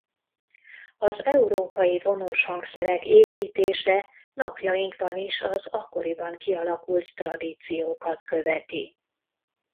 Az európai vonós hangszerek építése napjainkban is az akkoriban kialakult tradíciókat követi.